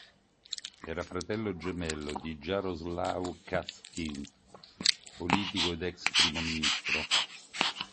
Era fratello gemello di Jarosław Kaczyński, politico ed ex primo ministro.